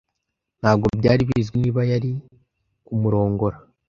Ntabwo byari bizwi niba yari kumurongora.